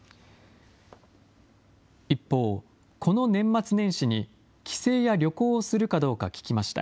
一方、この年末年始に、帰省や旅行をするかどうか聞きました。